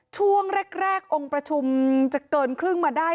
ช่วงแรกองค์ประชุมจะเกินครึ่งมาได้